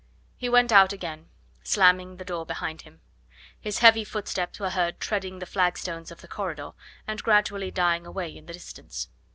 He went out again, slamming the door behind him. His heavy footsteps were heard treading the flagstones of the corridor, and gradually dying away in the distance.